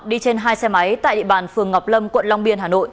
đi trên hai xe máy tại địa bàn phường ngọc lâm quận long biên hà nội